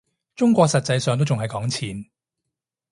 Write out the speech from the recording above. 中國實際上都仲係講錢